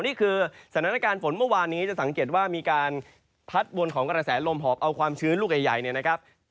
นี่คือสถานการณ์ฝนเมื่อวานนี้จะสังเกตว่ามีการพัดวนของกระแสลมหอบเอาความชื้นลูกใหญ่เนี่ยนะครับ